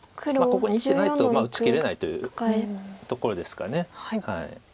ここに１手ないと打ちきれないというところですか。